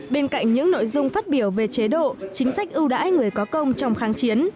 bên cạnh những nội dung phát biểu về chế độ chính sách ưu đãi người có công trong kháng chiến